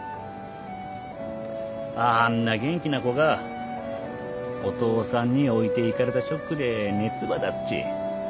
あんな元気な子がお父さんに置いていかれたショックで熱ば出すち。